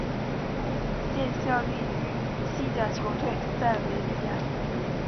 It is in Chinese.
现效力于西甲球队塞维利亚。